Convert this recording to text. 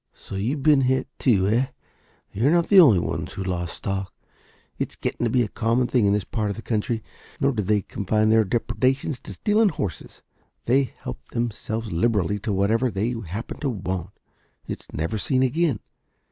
"So you've been hit too, eh? You are not the only ones who have lost stock. It's getting to be a common thing in this part of the country. Nor do they confine their depredations to stealing horses. They help themselves liberally to whatever they happen to want. It's never seen again.